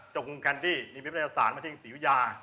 เจ้าคุณแคนดี้มีเมียประทัยศาสตร์มาถึงศิริยา